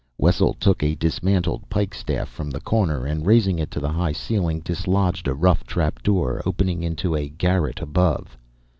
Wessel took a dismantled pike staff from the corner, and raising it to the high ceiling, dislodged a rough trap door opening into a garret above.